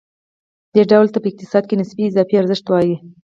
دې ډول ته په اقتصاد کې نسبي اضافي ارزښت وايي